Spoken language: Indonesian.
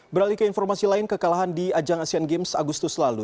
beralih ke informasi lain kekalahan di ajang asean games agustus lalu